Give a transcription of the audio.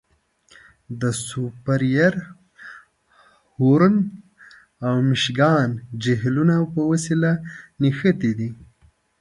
د سوپریر، هورن او میشګان جهیلونه په وسیله نښتي دي.